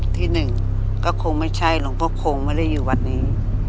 ที่หนึ่งก็คงไม่ใช่หลวงพ่อคงไม่ได้อยู่วัดนี้